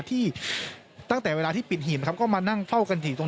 ที่ตั้งแต่เวลาที่ปิดหีบนะครับก็มานั่งเฝ้ากันที่ตรง